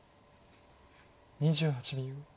２８秒。